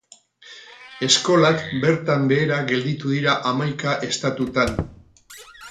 Eskolak bertan behera gelditu dira hamaika estatutan.